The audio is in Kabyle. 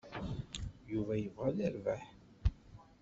Yuba yebɣa ad yerbeḥ.